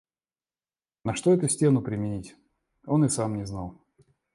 На что эту стену применить, он и сам не знал.